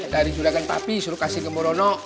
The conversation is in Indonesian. dari juragan papi suruh kasih ke morono